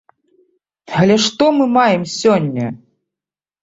Але што мы маем сёння?